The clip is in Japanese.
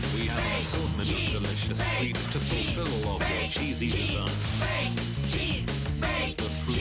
チーズ！